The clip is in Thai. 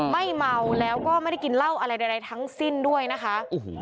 เมาแล้วก็ไม่ได้กินเหล้าอะไรใดทั้งสิ้นด้วยนะคะ